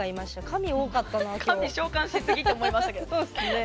神召喚しすぎと思いましたけど。